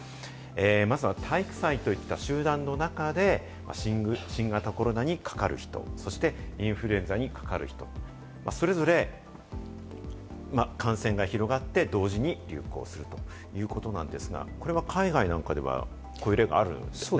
まずは体育祭といった集団の中で新型コロナにかかる人、そしてインフルエンザにかかる人、それぞれ感染が広がって同時に流行するということなんですが、これは海外なんかでは、こういう例があるんですってね。